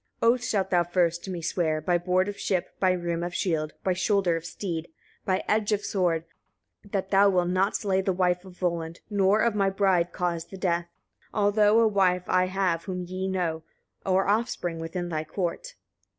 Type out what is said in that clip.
31. "Oaths shalt thou first to me swear, by board of ship, by rim of shield, by shoulder of steed, by edge of sword, that thou wilt not slay the wife of Volund, nor of my bride cause the death; although a wife I have whom ye know, or offspring within thy court.